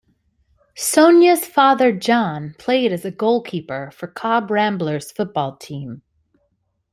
Sonia's father John played as a goalkeeper for Cobh Ramblers football team.